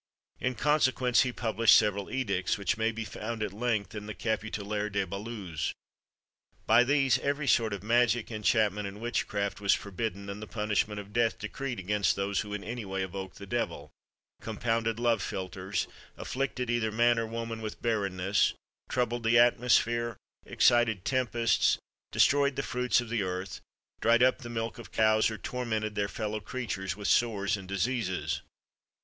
In consequence, he published several edicts, which may be found at length in the Capitulaire de Baluse. By these, every sort of magic, enchantment, and witchcraft was forbidden; and the punishment of death decreed against those who in any way evoked the devil, compounded love philters, afflicted either man or woman with barrenness, troubled the atmosphere, excited tempests, destroyed the fruits of the earth, dried up the milk of cows, or tormented their fellow creatures with sores and diseases.